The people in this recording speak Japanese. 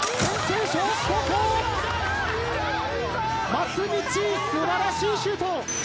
松道素晴らしいシュート。